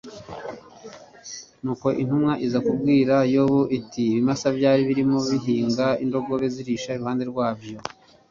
nuko intumwa iza kubwira yobu iti ibimasa byarimo bihinga, n'indogobe zirisha iruhande rwabyo